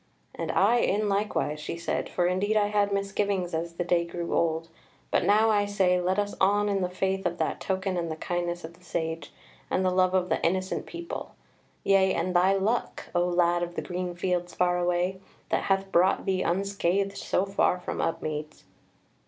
"And I in likewise," she said; "for indeed I had misgivings as the day grew old; but now I say, let us on in the faith of that token and the kindness of the Sage, and the love of the Innocent People; yea, and thy luck, O lad of the green fields far away, that hath brought thee unscathed so far from Upmeads."